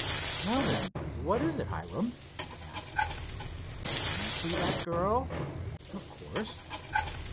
"Now then, what is it, Hiram?" he asked. "You see that girl?" "Of course."